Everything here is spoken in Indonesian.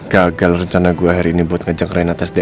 gagal rencana gue hari ini buat ngejek renata sdna